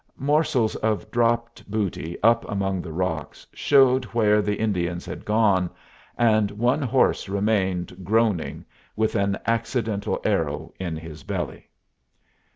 Morsels of dropped booty up among the rocks showed where the Indians had gone, and one horse remained, groaning, with an accidental arrow in his belly.